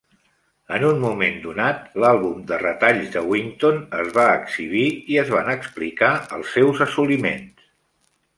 En un moment donat, l'àlbum de retalls de Winton es va exhibir i es van explicar els sus assoliments.